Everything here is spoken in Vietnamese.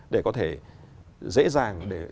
để có thể dễ dàng